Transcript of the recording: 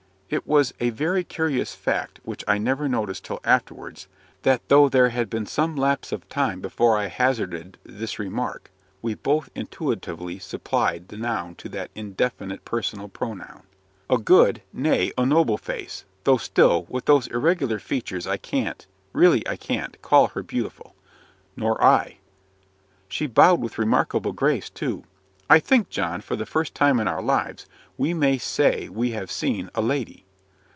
It was a very curious fact, which I never noticed till afterwards, that though there had been some lapse of time before I hazarded this remark, we both intuitively supplied the noun to that indefinite personal pronoun. "A good nay, a noble face; though still, with those irregular features, I can't really I can't call her beautiful." "Nor I." "She bowed with remarkable grace, too. I think, John, for the first time in our lives, we may say we have seen a LADY."